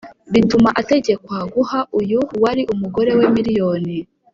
bituma ategekwa guha uyu wari umugore we miliyoni